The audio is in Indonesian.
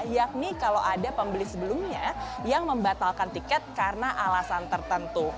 yakni kalau ada pembeli sebelumnya yang membatalkan tiket karena alasan tertentu